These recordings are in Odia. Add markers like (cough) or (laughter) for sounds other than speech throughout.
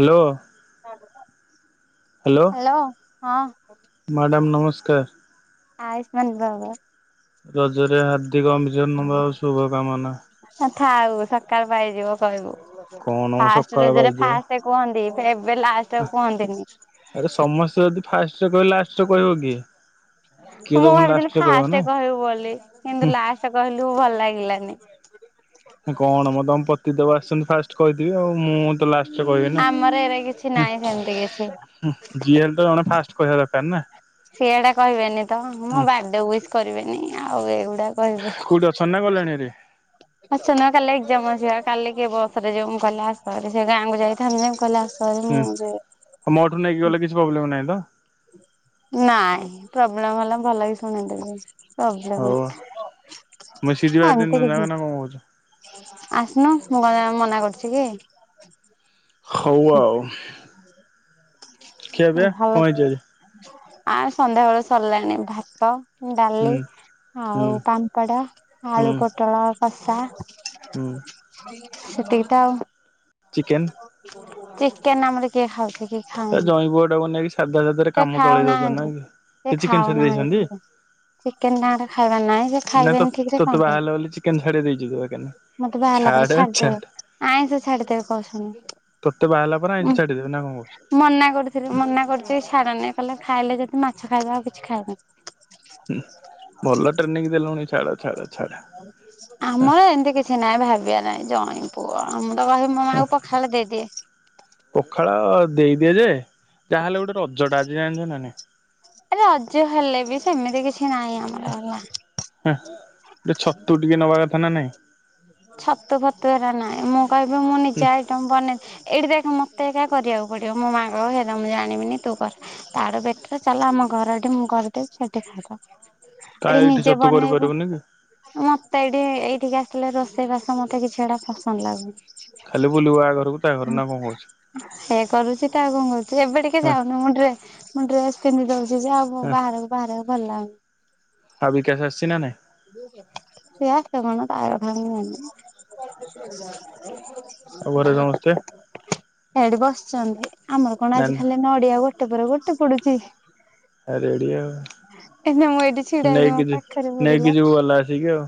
ହାଲୋ। (inaudible) ହାଲୋ। ହ୍ୟାଲୋ ହଁ। ମ୍ୟାଡ଼ାମ ନମସ୍କାର। ଆୟୁଷ୍ମାନ ଭବ। ରଜରେ ହାର୍ଦ୍ଦିକ ଅଭିଜନମ ଶୁଭ କାମନା। ଅ ଥାଉ ସକାଳ ପାଇଯିବ କହିବୁ କଣ ମ ଫାଷ୍ଟ ସକାଳ ରଜରେ ପାଇଯିବ ଫାଷ୍ଟ କୁହନ୍ତି। ଏବେ ଲାଷ୍ଟରେ ଆଉ କୁହନ୍ତିନି। ଆରେ ସମସ୍ତେ ଯଦି ଫାଷ୍ଟରେ କହିବେ, ଲାଷ୍ଟରେ କହିବ କିଏ, କିଏ ତ ପୁଣି ଲାଷ୍ଟରେ କହିବ ନା। ହେଉ ବୋଲି କିନ୍ତୁ ଲାଷ୍ଟ କହିଲୁ ଭଲ ଲାଗିଲାନି। କଣ ମ ତମ ପତି ଦେବ ଆସଛନ୍ତି। ଫାଷ୍ଟ କହିଥିବେ ଆଉ ମୁଁ ତ ଲାଷ୍ଟ ଆମର ଏଇରା କିଛି ନାହିଁ ସେମିତି କିଛି। ହୁଁ, ଯିଏ ହେଲେ ତ ଜଣେ ଫାଷ୍ଟ କହିବା ଦରକାର ନା। ସିଏ ଏଉଡା କହିବେନି ତ ମୋ ହୁଁ ବାର୍ଥଡେ ୱିସ୍ କରିବେନି ଆଉ ଏଗୁଡା କହିବେ। କୋଉଠି ଅଛନ୍ତି ନା ଗଲେଣି ହେରି ଆଚ୍ଛା! ନା କାଲି ଏକ୍ଜାମ ଅଛିବା କାଲି କିଏ ବସରେ ଯିବ ମୁଁ କହିଲି ହଁ ଆସଭାରି ସେ ଗାଁକୁ ଯାଇଥାନ୍ତି ଯେ କହିଲା କଲି ମୁଁ ଯେ ମୋ ଠୁ ନେଇକି ଗଲେ କିଛି ପ୍ରୋବଲେମ୍ ନାହିଁ ତ? ନାଇଁ ପ୍ରୋବ୍ଲେମ ହେଲେ ଭଲ କିି ଶୁଣେଇଦେବି। ହଉ ପ୍ରୋବଲେମ୍, ମୁଁ ସିରି ବାହାରି ତିନି ଆଉତ ଜଣ ଯାକ କିଛି ନା କଣ କହୁଛ? ଆସୁନ ମୁଁ କଣ ତତେ ମନା କରୁଛି କି? ହଉ ଆଉ। ଖିଆ ପିଆ ଭଲ, କଣ ହେଇଛି ଆଜି? ଆ ସନ୍ଧ୍ୟାବେଳେ ସରିଲାଣି ଭାତ ଡାଲି, ହୁଁ ହୁଁ ଆଉ ପାମ୍ପଡ଼, ହୁଁ ଆଳୁ ପୋଟଳ କଷା, ହୁଁ। ସେତିକିତ ଆଉ ଚିକେନ୍ ଚିକେନ୍ ଆମର କିଏ ଖାଉଛି କି? ଏ ଖାଉନି ଜଇଁ ପୁଅଟାକୁ ନେଇକି ସାଧା ସାଧାରେ ସେ କାମ ଖାଉ ଚଳେଇ ଦଉଛନ୍ତି ନାଇଁ ନାହାନ୍ତି। କି? ସେ ଚିକେନ ଛାଡି ଖାଉନାହାନ୍ତି ଦେଇଛନ୍ତି ଚିକେନ୍। ଚିକେନ ତାଙ୍କର ଖାଇବା ନାଇଁ ସେ ନା ଖାଇବେନି ଠିକ ରେ ତୋତେ ବାହା କଣ ହେଲା ବୋଲି ଚିକେନ ଛାଡି ଦେଇଛୁ ତୁ ଏକାନି। ମତେ ବାହାହେଲା ପରେ ଛାଡେ ଛାଡିଦେବେ, ଛାଡେ ଆଇଁଷ ଛାଡ଼ିଦେବେ। ତୋତେ ବାହାହେଲା ପରେ ଆଇଁଷ ଛାଡିବେ ନା କଣ କହୁଛି? ମନା କରୁଥିଲୁ ମନା କରୁଛି ଛାଡ଼ ନାଇଁ କହିଲେ ଖାଇଲେ ଯଦି ମାଛ ଖାଇବୁ ଆଉ କିଛି ଖାଇବୁନି। ହୁଁ, ଭଲ ଟ୍ରେନିଂ ଦେଲୁଣି ଛାଡ -ଛାଡ- ଛାଡ। (inaudible) ଆମର ଏମିତି କିଛି ନାହିଁ ଭାବିବା ନାହିଁ ଜୋଇଁ ପୁଅ ମୁଁ ତ କହିବି ମୋ ହଁ ମାଆଙ୍କୁ ପଖାଳ ଦେଇଦିଅ। ପଖାଳ ଦେଇଦିଏ ଯେ, ଯାହାହେଲେ ଗୋଟେ ରଜ ଟା ଆଜି ଜାଣିଛ ନା ନାଇଁ। ରଜ ହେଲେ ବି, ସେମିତି କିଛି ନାହିଁ ଆମ ଆ ହଁ ଗୋଟେ ଛତୁ ଟିକେ ନବା କଥା ନା ନାଇଁ। ଛତୁ ଫତୁ ଏରା ନାଇଁ, ମୁଁ କହିବି ମୁଁ ହୁଁ ନିଜେ ଆଇ ଟମ୍ ବନେଇ ଏଇଠି ଦେଖ୍ ମତେ ଏକା କରିବାକୁ ପଡ଼ିବ ମୋ ମାଆ କହିବ ହେଇରା ମୁଁ ଜାଣିବିନି ତୁ କର। ତାଠୁ ବେଟର ଚାଲ ଆମ ଘର ଏଠିକି ମୁଁ କରିଦେବି ସେଠି ଖାଇବ। କାଇଁ ଏଠି ଏଇଠି ନିଜେ ଛତୁ ବନେଇବୁ। କରିପାରିବୁନି କି ମତେ ଏଇଠି ଏଇଠିକି ଆସିଲେ ରୋଷେଇ ବାସ ମତେ କିଛି ଏଗୁଡ଼ା ପସନ୍ଦ ଲାଗୁନି। ଖାଲି ବୁଲିବୁ ଆ ଘରକୁ ତା ଘର ନା କଣ କହୁଛୁ? ହେଇ କରୁଛି ତ, ଆଉ କଣ କରୁଛି। ଏବେ ଟିକେ ଯାଉନି ମୁଣ୍ଡରେ ମୁଁ ଡ୍ରେସ ପିନ୍ଧି ଯାଉଛି ଯେ ଆଉ ହଁ ବାହାରକୁ ବାହାରିବାକୁ ଭଲ ଲାଗୁନି। ଆଉ ବିକାଶ ଆସିଛି ନା ନାଇଁ? ସିଏ ଆସେ କଣ ତା କଥା କୁହନି। ଆଉ ଘରେ ସମସ୍ତେ ହେଇଟି ବସିଛନ୍ତି। ଆମର କଣ ନା ଆଜି ନା ଖାଲି ନଡ଼ିଆ, ଗୋଟେ ପରେ ଗୋଟେ ପଡୁଛି। ଆ ରେଡ଼ି ଆଉ ଏ ନାଁ ମୁଁ ଏଇଠି ଛିଡା ହେଇଚି ମୋ ନେଇକି ଯି ପାଖରେ ନେଇକି ପଡିଲା। ଯିବୁ ଗଲା ଆସିକି ଆଉ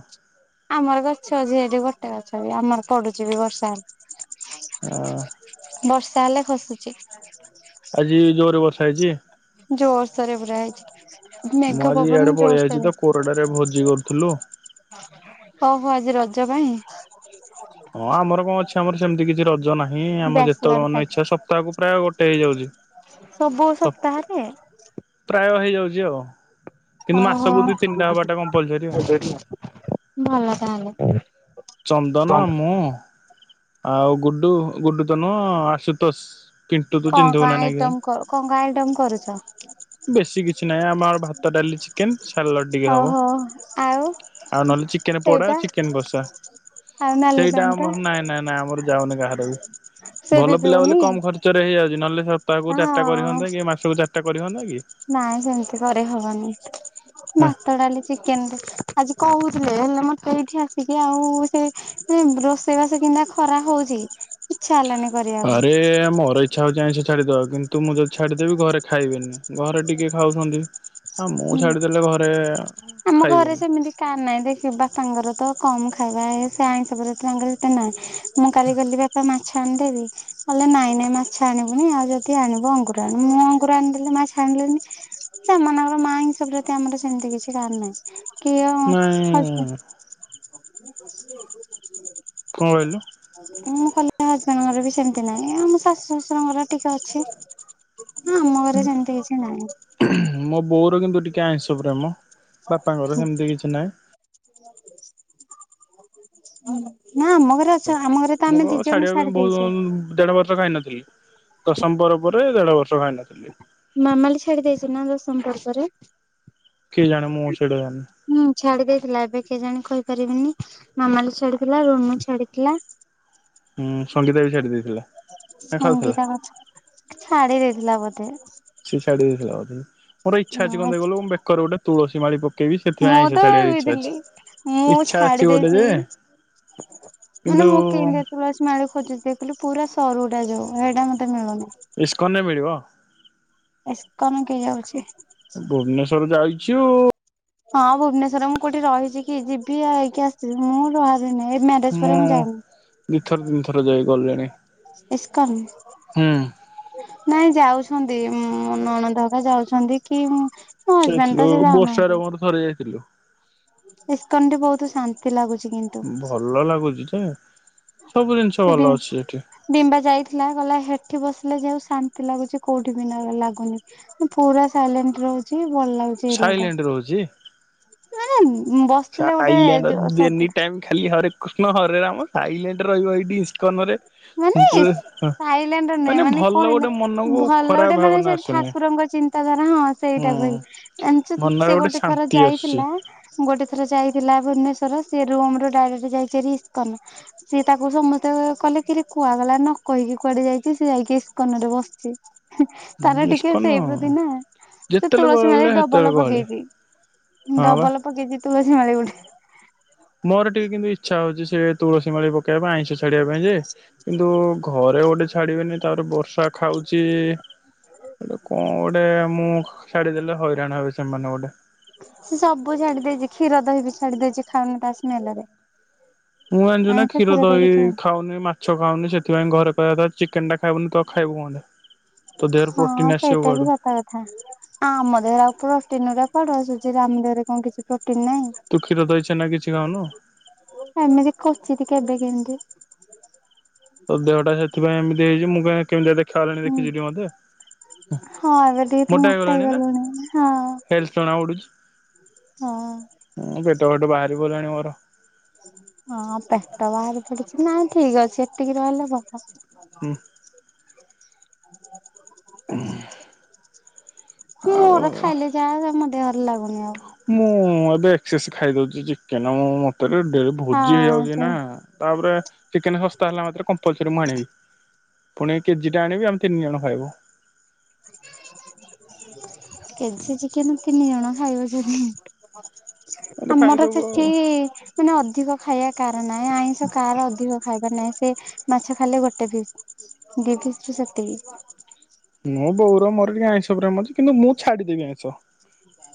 ଆମର ଗଛ ଅଛି ଏଠି ଗୋଟେ ଗଛ ବି ଆମର ପଡୁଛି ବି ବର୍ଷା ହେଲେ। ହଁ ବର୍ଷା ହେଲେ ଖସୁଛି। ଆଜି ଜୋରରେ ବର୍ଷା ହେଇଛି? ଜୋରସରେ ପୁରା ହେଇଛି। ମୁଁ ମେଘ ଆଜି ପବନ୍ ଇଆଡେ ପଳେଇ ଆଇଛି ତ ଜୋରସରେ। କୋରଡାରେ ଭୋଜି କରୁଥିଲୁ। ହ ହ ଆଜି ରଜ ପାଇଁ। ହଁ ଆମର କଣ ଅଛି ଆମର ସେମିତି କିଛି ର ଜ ନାହିଁ ଆମ ବ୍ୟାଚଲର ଯେତେବେଳେ ମାନ ପାର୍ଟି ଇଚ୍ଛା ସପ୍ତାହକୁ ପ୍ରାୟ ଗୋଟେ ହେଇଯାଉଛି। ସବୁ ସପ୍ତାହରେ। ପ୍ରାୟ ହେଇଯାଉଛି ଆଉ। କିନ୍ତୁ ଓହୋ ମାସକୁ ଦି ତିନିଟା ହବାଟା କମ୍ପଲସରି ଆଉ। ଭଲ ତାହେଲେ। ଚନ୍ଦନ କଣ ମୁଁ ଆଉ ଗୁଡୁ ଗୁଡୁ ତ ନୁହଁ ଆଶୁତୋଷ। ପିଣ୍ଟୁ ତୁ କଣ ଚିହ୍ନିଥିବୁ କଣ ନା ନାଇଁ କେଜାଣି ଆଇଟମ୍ କ କଣ କଣ ଆଇଟମ୍ କରୁଛ? ବେଶୀ କିଛି ନାହିଁ ଆମର ଭାତ ଡାଲି ଚିକ୍ ସାଲାଡ଼ ଟିକେ ହବ ଓହୋ ଆଉ ଆଉ ନହେଲେ ଚିକେନ ପୋଡ଼ା ସେଇଟା ଚିକେନ କଷା। ଆଉ ନାଲି ସେଇଟା ପାଣି ଟା ଆମର ନାଇଁ ନାଇଁ ନାଇଁ ଆମର ଯାଉନି କାହାର ବି ସେ ବି ଭଲ ପିଲା ପିଉନି ବୋଲି କମ ଖର୍ଚ୍ଚ ଚରେ ହେଇଯାଉଛି ନହେଲେ ସପ୍ତାହକୁ ଚାରିଟା କରି ହଁ ହୁଅନ୍ତା କି ମାସକୁ ଚାରିଟା କରି ହୁଅନ୍ତା କି। ନାଇଁ ସେମିତି କରେ ହବନି ହେଁ ଭାତ ଡାଲି ଚିକେନରେ ଆଜି କହୁ ଥିଲେ ହେଲେ ମତେ ଏଠି ଆସିକି ଆଉ ସେ ସେ ରୋଷେଇବାସ କିନ୍ତିଆ ଖରା ହଉଛି। ହେଲାନି କରିବାକୁ ଆରେ ମୋର ଏ ଇଚ୍ଛା ହଉଚି ଆଇଁଷ ଛାଡ଼ିଦବାକୁ କିନ୍ତୁ ମୁଁ ଯଦି ଛାଡ଼ିଦେବି ଘରେ ଖାଇବେନି ଘରେ ଟିକେ ଖାଉଛନ୍ତି। ହଁ ମୁଁ ହୁଁ ଛାଡିଦେଲେ ଘରେ ଆମ ଘରେ ଖାଇବେନି। ସେମିତି କାର ନାଇଁ ଦେଖି ବାପାଙ୍କର ତ କମ ଖାଇବା ସେ ଆଇଁଷ ପ୍ରତି ତାଙ୍କର ଏତେ ନାହିଁ ମୁଁ କାଲି ଗଲି ବାପା ମାଛ ଆଣିଦେବି କହିଲେ ନାଇଁ ନାଇଁ ମାଛ ଆଣିବୁନି ଆଉ ଯଦି ଆଣିବୁ ଅଙ୍ଗୁର ଆଣିବୁ ମୁଁ ଅଙ୍ଗୁର ଆଣିଦେଲି ମାଛ ଆଣିଲିନି ସେମାନଙ୍କର ମା ଆଇଁଷ ପ୍ରତି ଆମର ସେମିତି କିଛି କାହାର ନାହିଁ କି ନାଇଁ ହଜବେଣ୍ଡ କଣ କହିଲୁ (inaudible) ମୁଁ କହିଲି ହଜବେଣ୍ଡଙ୍କର ବି ସେମିତି ନାହିଁ ଆମ ଶାଶୁ ଶଶୁରଙ୍କର ଟିକେ ଅଛି। ହୁଁ ମୋର ସେମିତି କିଛି ନାହିଁ। ମୋ ବୋଉର କିନ୍ତୁ ଟିକେ ଆଇଁଷ ପ୍ରେମ ବାପାଙ୍କର ସେମିତି କିଛି ନାହିଁ। ନା ଆମ ଘ୍ ମୁଁ କ ଛାଡିବା ପାଇଁ ବହୁତ ଦେଢ ବର୍ଷ ଖାଇନଥିଲି। ଦଶମ ପରେ ପରେ ଦେଢ ବର୍ଷ ଖାଇନଥିଲି। ମାମାଲି ଛାଡି ଦେଇଛି ନା ଦଶମ ପରେ ପରେ। କେଜାଣି ମୁଁ ସେଡା ଜାଣିନି। ହୁଁ ଛାଡି ଦେଇଥିଲା ଏବେ କେଜାଣି କହିପାରିବିନି। ମାମାଲି ଛାଡିଥିଲା ରୁନୁ ଛାଡିଥିଲା। ଉଁ ସଙ୍ଗୀତା ବି ଛାଡି ଦେଇଥିଲା ନା ଖାଉଥିଲା? ସଙ୍ଗୀତା କଥା ଛାଡି ଦେଇଥିଲା ବୋଧେ। ସେ ଛାଡ଼ି ଦେଇଥିଲା ବୋଧେ। ମୋର ଇଚ୍ଛା ଅଛି କଣ ଦେଖି କହିଲୁ ମୁ ବେକରେ ଗୋଟେ ତୁଳସୀ ମାଳି ପକେଇବି ସେଥିପାଇଁ ମୁଁ ତ ଆଇଁଷ ଛାଡିବାକୁ ଇଚ୍ଛା ଭାବିଥିଲି ଅଛି। ମୁଁ ଇଚ୍ଛା ଅଛି ଛାଡି ଗୋଟେ ଦେଇଛି ଯେ କିନ୍ତୁ ମାନେ ମୁଁ କିନ୍ଦିଆ ତୁଳସୀ ମାଳି ଖୋଜୁଚି ଦେଖି କହିଲୁ ପୁରା ସରୁଟା ଯୋଉ ହେଟା ମତେ ମିଳୁନି। ଇସ୍କନରେ ମିଳିବ। ଇସ୍କନ୍ କିଏ ଯାଉଛି? ଭୁବନେଶ୍ଵର ଯାଇଛୁ ହଁ ଭୁବନେଶ୍ୱରରେ ମୁଁ କୋଉଠି ରହିଛି କି ଯିବି ଯାଇକି ଆସିବି ମୁଁ ରହିନି ଏ ମା ମୁଁ ଦି ଥର ତିନି ଥର ଯାଇ ଗଲିଣି। ଇସ୍କନ୍। ହୁଁ ନାଇଁ ଯାଉଛନ୍ତି ଉଁ ମୋ ନଣନ୍ଦ ହେକା ଯାଉଛନ୍ତି କି ହଜବେଣ୍ଡ ଯଇଥିଲୁ ତ ସେ ଯାଉନାହାନ୍ତି ବର୍ଷାର ମୋର ଥରେ ଯାଇଥିଲୁ। ଇସ୍କନ୍ ଠି ବହୁତୁ ଶାନ୍ତି ଲାଗୁଛି କିନ୍ ଭଲ ଲାଗୁଛି ଯେ ସବୁ ଜିନିଷ ସେ ବି ଭଲ ଅଛି ସେଠି। ଡିମ୍ବା ଯାଇଥିଲା ଗହିଲା ସେଠି ବସିଲେ ଯେଉ ଶାନ୍ତି ଲାଗୁଛି କୋଉଠି ବି ନା ଲାଗୁନି। ପୁରା ସାଇଲେଣ୍ଟ୍ ରହୁଛି ଭଲ ଲାଗୁଛି ଏରିଆଟା। ସାଇଲେଣ୍ଟ ରହୁଛି। ସାଇଲାଣ୍ଡ ଏନି ଟାଇମ୍ ଖାଲି ହରେକୃଷ୍ଣ ହରେ ରାମ ସାଇଲାଣ୍ଟ୍ ରେ ରହିବ ଏଇଠି କନ ରେ ମାନେ ଥାଇଲାଣ୍ଡ ନୁହେଁ ମାନେ ମାନେ କଣ ଭଲ ଗୋଟେ ମନକୁ ଖରାପ ଭାବନା ଆସୁନି। କୁକୁରଙ୍କ ଚିନ୍ତାଧାରା ହଁ ହୁଁ। ସେଇଟା କ ହ ଏମି ମନରେ ସେ ଗୋଟେ ଥର ଶାନ୍ତି ଆସୁଛି ଯାଇଥିଲା ଗୋଟେ ଥର ଯାଇଥିଲା ଭୁନେଶ୍ୱର ସେ ରୋମ୍ ରୁ ଡ଼ାଇରେକ୍ଟ ଯାଇଚି ହେରି ଇସ୍କନ। ସିଏ ତାକୁ ସମତେ କହଲେ କିରି କୁହାଗଲା ନ କହିକି କୁଆଡେ ଯାଇଛି ସେ ଯାଇକି ଇସ୍କନ ରେ ବସିଛି। ତାର ଟିକେ ଇସ୍କନ ସେଇ ପ୍ରତି ନା। ସେ ଯେତେବେଳେ ତୁଳସୀ ଗହଳି ମାଳି ସେତେବେଳେ ଡବଲ ଗହଳି। ପକେଇଛି। ହଁ ବା। ପକେଚି ତୁଳସୀ ମାଳି ଗୋଟେ। ମୋର ଟିକେ କିନ୍ତୁ ଇଚ୍ଛା ହଉଛି ସେ ତୁଳସୀ ମାଳି ପକବା ଆଇଁଷ ଛାଡିବା ପାଇଁ ଯେ କିନ୍ତୁ ଘରେ ଗୋଟେ ଛାଡିବେନି ତାପରେ ବର୍ଷା ଖାଉ ଚି କଣ ଗୋଟେ ମୁଁ ଛାଡିଦେଲେ ହଇରାଣ ହେବ ସେମାନେ ଗୋଟେ। ସେ ସବୁ ଛାଡି ଦେଇେଛି କ୍ଷୀର ଦହି ବି ଛାଡି ଦେଇେଛି ଖାଉନି ତା ସ୍ମେଲ ରେ। ମୁଁ ଜାଣିଛୁ ନା କ୍ଷୀର ଦହି ଖାଉନି ମାଛ ଛ ଖାଉନି ସେଥିପାଇଁ ଘରେ କହିଆ କଥା ଚିକେନ ଟା ଖାଇବୁନ୍ ତ ଖାଇବୁ କଣ୍ଟା? ତୋ ଦେହର ହଁ ପ୍ରୋଟିନ୍ ଆସିବ ସେଇଟା ବି କୁଆଡୁ? କଥା ସତ ଆଉ ଆମ ଦେହରେ ଆଉ ପ୍ରୋଟିନ୍ ରା କୁଆଡୁ ଆସୁଛି ଆମ ଦେହରେ କଣ କିଛି ପ୍ରୋଟିନ ନାହିଁ? ତୁ କ୍ଷୀର, ଦହି, ଛେନା କିଛି ଖାଉନୁ? ଏମିତି କୋଚିତି କେବେ କେମିତି। ତ ଦେହଟା ସେଥିପାଇଁ ଏମିତି ହେଇଛି ମୁଁ କେମିତି ଦେଖା ହେଲାଣି ହୁଁ ଦେଖିଛିି ଟି ମତେ? ହ ହଁ ଏବେ ଟିକେ ତୁ ମୋଟା ମୋଟାଇଗଲାଣି ନା ହେଇଗଲୁଣି ହଁ ହେଲଥ ଜଣା ପଡୁଛି। ହଁ। ହଁ ପେଟ ଫେଟ ବାହାରି ପଲାଣି ମୋର। ହଁ ପେଟ ବାହାରି ପଡୁଛି ନାଇ ଠିକ ଅଛି ଏତିକି ରହିଲେ ଭଲ। ହୁଁ (inaudible) ହଁ ମୋର ଖାଇଲେ ଯାହା ମୋ ଦେହରେ ଲାଗୁନି ଆଉ। ମୁଁ ଏବେ ଏକ୍ସସେ ଖାଇଦଉଛି ଚିକେନ ମତରେ ଡ ଭୋଜି ହଁ ହେଇଯାଉଛି ସେ ନା। ତାପରେ ଚିକେନ ଶସ୍ତା ହେଲା ମାତ୍ରେ କମ୍ପଲସରି ମୁଁ ଆଣିବି। ପୁଣି କେଜିଟା ଆଣିବି ଆମେ ତିନି ଜଣ ଖାଇବୁ। କେଜି ଚିକେନ ତିନି ଜଣ ଖାଇଦଉଚନ୍ତି। ତ ଆମର ଖାଇଦବୁ ସେଠି ଆଉ ମାନେ ଅଧିକ ଖାଇବା କାହାର ନାହିଁ ଆଇଁଷ କାହାର ଅଧିକ ଖାଇବାର ନାହିଁ ସେ ମାଛ ଖାଇଲେ ଗୋଟେ ପିସ। ସେତିକି (inaudible) ମୋ ବଉର ମୋର ଟିକେ ଆଇଁଷ ପ୍ରେମ ଅଛି କିନ୍ତୁ ମୁଁ ଛାଡ଼ିଦେବି ଆଇଁଷ।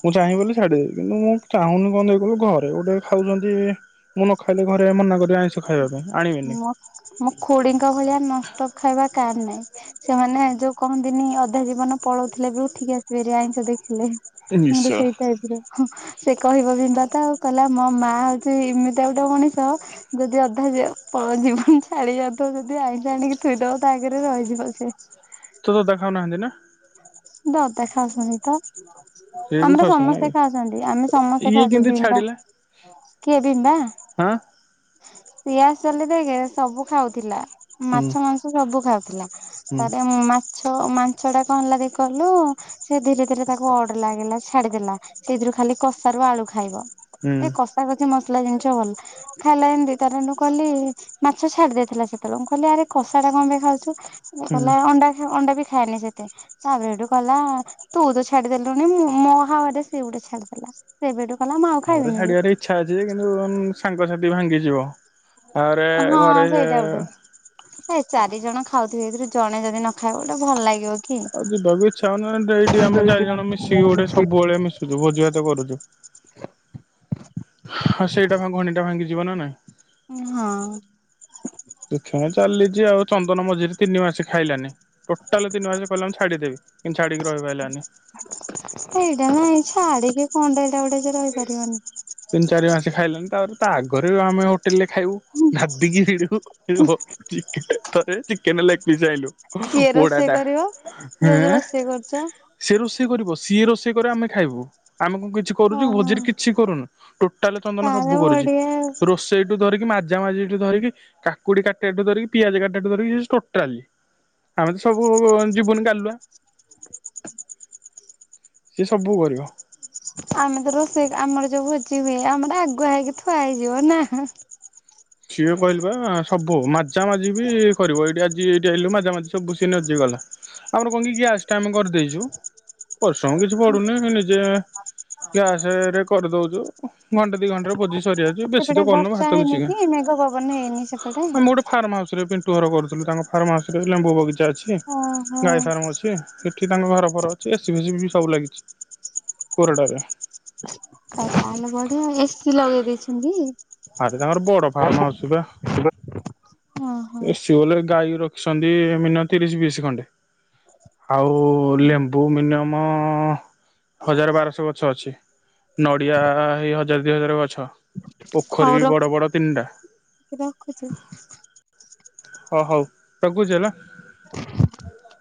ମୁଁ ଚାହିଁ ବୋଲି ଛାଡିଦେବି କିନ୍ତୁ ମୁଁ ଚାହୁଁନି କଣ ଦେଇ କହିଲ ଘରେ ଗୋଟେ ଖାଉଛନ୍ତି ମୁଁ ନ ଖାଇଲେ ଘରେ ମନା କରି ସେ ଆଇଁଷ ଖାଇବା ପାଇଁ ଆଣିବେନି ମୁଁ ଖୁଡିଙ୍କ ଭଳିଆ ନନଷ୍ଟପ ଖାଇବା କାର ନାହିଁ। ସେମାନେ ଯୋଉ କହନ୍ତିନି ଅଧା ଜୀବନ ପଳଉଥିଲେ ବି ଉଠିକି ଆସିବାର ଆଇଁଷ ଦେଖିଲେ। ମୁଁ ବି ନିଶ୍ଚୟ। ସେଇ ଟାଇପ୍। ସେ କହିବ ବିବତା ଆଉ କହିଲା ମୋ ମା ହଉଛି ଏମିତିଆ ଗୋଟେ ମଣିଷ ଯେ ଅଧା ଯ ଜୀବନ ଛାଡି ଯାଉ ଥିବ ଯଦି ଆଇଁଷ ଆଣିକି ଥୋଇଦବ ତା ଆଗରେ ରହିଯିବ ସେ। ତୋ ବାବା ଖାଉନାହାନ୍ତି ନା? ଦାଦା ଖାଉଛନ୍ତି ତ। ସିଏ ବି ଆମର ଖାଉଛନ୍ତି ନା ସମସ୍ତେ କି ଖାଉଛନ୍ତି ଆମେ ସମସ୍ତେ ଇଏ ଖାଉଛୁ କେମିତି ବିମ୍ବା ଛାଡିଲା କିଏ ବିମ୍ବା ହଁ। ପିଆସଲି ଦେଇକି ସବୁ ଖାଉଥିଲା ହୁଁ ମାଛ ମାଂସ ସବୁ ଖାଉଥିଲା। ହୁଁ। ତାପରେ ମାଛ ମାଂଛ ଟା କଣ ହେଲା ଦେଇ କହିଲୁ ସେ ଧୀରେ ଧୀରେ ତାକୁ ଅଡ ଲାଗିଲା ଛାଡିଦେଲା ସେଥିରୁ ଖାଲି କଷା ରୁ ଆଳୁ ଖାଇବ। ହୁଁ ଏ କଷା କଷି ମସଲା ଜିନିଷ ଭଲ ଖାଇଲା ଯେମିତି ତାର ଠୁଁ କଲି ମାଛ ଛାଡି ଦେଇଥିଲା ସେତେବେଳେ ମୁ କହିଲି ଆରେ କଷା ଟା କଣ ପାଇଁ ଖାଉଛୁ? ସେ ହୁଁ କହିଲା ଅଣ୍ଡା ଖା ଅଣ୍ଡା ବି ଖାଏନି ସେ ଏ ତେ ତାପରେ ସେଠୁ କହିଲା ତୁ ତ ଛାଡିଦେଲୁଣିି ମୁଁ ମୋ ହାୱାରେ ସେ ଗୋଟେ ଛାଡିଦେଲା। ସେବେଠୁ କହିଲା ମୁଁ ଆଉ ମୋର ଖାଇବିନି ବି ଛାଡିବାର ଇଚ୍ଛା ଅଛି ଯେ କିନ୍ତୁ ଉଁ ସାଙ୍ଗସାଥି ଭାଙ୍ଗିଯିବ ତାପରେ ଘରେ ସେଇ ଚାରି ଜଣ ଖାଉଥିବେ ସେଥିରୁ ଜଣେ ଯଦି ନ ଖାଇବ ଗୋଟେ ଭଲ ଲାଗିବ କି? ଆଉ ଯିବାକୁ ଇଚ୍ଛା ହଉନି ଏଁ ଡେ ଏଇଠି ଆମେ ଚାରି ଜଣ ମିଶିକି ଗୋଟେ ସବୁବେଳେ ମିଶୁଛୁ ଭୋଜି ଭାତ କରୁଛୁ। ହଁ ସେଇଟା ଭାଙ୍ଗ ହଣ୍ଡିଟା ଭାଙ୍ଗି ଯିବ ନା ନାଇ ହଁ। ଦେଖେଁ ଚାଲିଛି ଆଉ ଚନ୍ଦନ ମଝିରେ ତିନି ମାସେ ଖାଇଲାନି। ଟୋଟାଲ ତିନ ମାସେ କହିଲା ମୁଁ ଛାଡିଦେବି କିନ୍ତୁ ଛାଡିକି ରହିପାରିଲାନି। ସେଇଟା ନାଇଁ ଛାଡିକି କଣ ଟା ଏଇଟା ଗୋଟେ ଯେ ରହିପାରିବନି। ତିନ ଚାରି ମାସେ ଖାଇଲାନି ତାପରେ ତା ଆଗରେ ବି ଆମେ ଆଉ ହୋଟେଲରେ ଖାଇବୁ ନାଦିକିିରି ହୁ ସେଯୋଉ ହୋ ଚିକେନ ଥରେ ଚିକେନ ଲେଗପିସ ଆଇଁଲୁ କିଏ ରୋଷେଇ ପୋଡ଼ାଟା କରିବ ଯଦି ହେଁ ରୋଷେଇ କରୁଛ ସେ ରୋଷେଇ କରିବ ସିଏ ରୋଷେଇ କରିବ ଆମେ ଖାଇବୁ ଆମେ କଣ କିଛି କ ରୁ ଓହୋ। ଭୋଜିରେ କିଛି କରୁନୁ ଟୋଟାଲ ଚନ୍ଦନ ତାହେଲେ ସବୁ କରୁଛି ବଢିଆ ଆଉ ରୋଷେ ଷେଇଠୁ ଧରିକି ମାଜାମାଜିଠୁ ଧରିକି କାକୁଡି କାଟିବାଠୁ ଧରିକି ପିଆଜ କାଟିବାଠୁ ଧରିକି ସେ ଟୋଟାଲି ଆମେ ତ ସବୁ ଜୀବୁନି ଗାଲୁଆ ସିଏ ସବୁ କରିବ। (inaudible) ଆମେ ତ ରୋଷେଇ କ ଆମର ଯୋଉ ଭୋଜି ହୁଏ ଆମର ଆଗୁଆ ହେଇକି ଥୁଆ ହେଇଯିବ ନାଁ ସିଏ କହିଲି ବା ସବୁ ମାଜାମାଜି ବି କରିବ ଏଇଠି ଆଜି ଏଇଠି ଆଇଲୁ ମାଜାମାଜି ସବୁ ସିଏ ନିଜେ କଲା। ଆମର କଣ କି ଗ୍ୟାସ ଟା ଆମେ କରିଦେଇଛୁ ପରିଶ୍ରମ କିଛି ପଡୁନି ସେ ନିଜେ ଗ୍ୟାସ ରେ କରିଦଉଛୁ ଘଣ୍ଟା ଦି ଘଣ୍ଟା ରେ ଭୋଜି ସରି ଯାଉଛି ବେଶୀ ତ ସେପଟେ କରୁନୁ ବର୍ଷା ଭାତ କୁ ହେଇନି ଚିକେନ। କି ମେଘ ପବନ ହେଇନି ସେପଟେ? ଫାର୍ମ ହାଉସରେ ପିଣ୍ଟୁ ଘର କରୁଥିଲୁ ତାଙ୍କ ଫାର୍ମ ହାଉସରେ ଲେମ୍ବୁ ବଗିଚା ଅଛି ଓହୋ। ଗାଈ ଫାର୍ମ ଅଛି ସେ ଠି ତାଙ୍କ ଘର ଫର ଅଛି ଏସିି ଫେସି ବି ସବୁ ଲାଗିଛି କୋରଡ଼ାରେ (inaudible) ତାହେଲେ ବଢିଆ ଏ ସି ଲଗେଇ ଦେଇଛନ୍ତି? ଆରେ ତାଙ୍କର ବଡ ଫାର୍ମ ହାଉସ ବା। ଓହୋ ଏ ସି ବୋଲେ ଗାଈ ରଖିଛନ୍ତି-ଇ-ଇ ମିନୟମ ତିରିଶ ବିଶ୍ ଖଣ୍ଡେ। ଆଉ-ଉ-ଉ ଲେମ୍ବୁ ମିନିୟମ-ଅ-ଅ-ଅ ହଜାର ବାରଶହ ଗଛ ଅଛି। ନଡ଼ିଆ-ଆ-ଆ-ଆ ହେଇ ହଜାର ଦି ହଜାର ଗଛ। ପୋଖରୀ ହଉ ବି ବଡ଼ ରଖୁଛି ବଡ଼ ତିନିଟା। ରଖୁଛି? ହ ହଉ ରଖୁଛି ହେଲା। (inaudible)